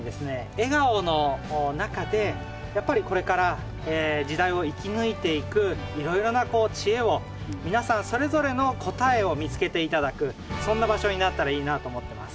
笑顔の中でやっぱりこれから時代を生き抜いていくいろいろな知恵を皆さんそれぞれの答えを見つけて頂くそんな場所になったらいいなと思ってます。